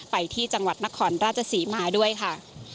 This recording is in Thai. ไปที่จังหวัดนครราชศรีมาด้วยค่ะ